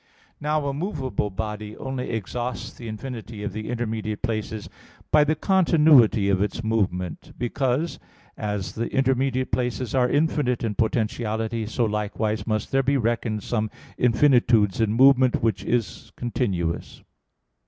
Now a movable body only exhausts the infinity of the intermediate places by the continuity of its movement; because, as the intermediate places are infinite in potentiality, so likewise must there be reckoned some infinitudes in movement which is continuous.